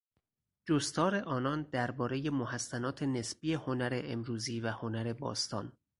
جستار آنان دربارهی محسنات نسبی هنر امروزی و هنر باستانی